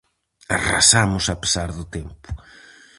Arrasamos a pesar do tempo.